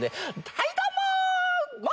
はいどうも！